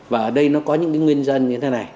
và ở đây nó có những nguyên dân như thế này